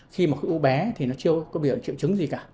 khi khối u bé thì nó chưa có bị triệu chứng gì cả